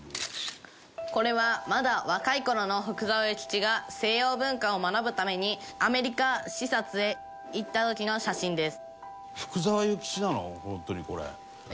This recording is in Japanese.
これはまだ若い頃の福沢諭吉が西洋文化を学ぶためにアメリカ視察へ行った時の写真です。